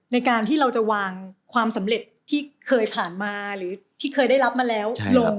ในการที่เราจะวางความสำเร็จที่เคยผ่านมาหรือที่เคยได้รับมาแล้วลง